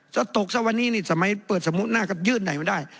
จะตกซะวันนี้นี่สมัยเปิดสมมุติหน้าก็ยื่นไหนไม่ได้